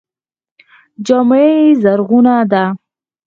جامه یې زرغونه ده.